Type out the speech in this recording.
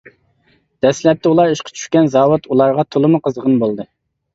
دەسلەپتە ئۇلار ئىشقا چۈشكەن زاۋۇت ئۇلارغا تولىمۇ قىزغىن بولدى.